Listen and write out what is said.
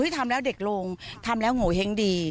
ทำแล้วเด็กลงทำแล้วโงเห้งดี